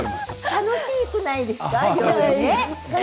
楽しくないですか？